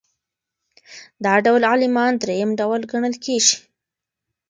دا ډول عالمان درېیم ډول ګڼل کیږي.